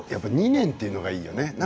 ２年っていうのがいいよね。